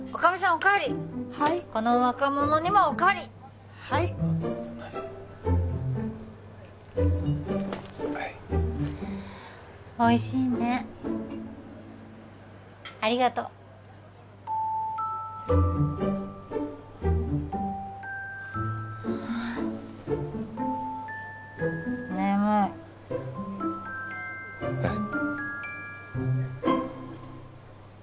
おかわりはいこの若者にもおかわりはいおいしいねありがとう眠いえっ？